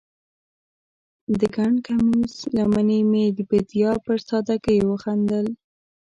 د ګنډ کمیس لمنې مې د بیدیا پر سادګۍ وخندل